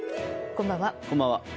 こんばんは。